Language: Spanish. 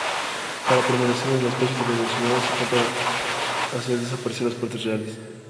Para permanecer en el espacio tridimensional, hace falta hacer desaparecer las partes reales.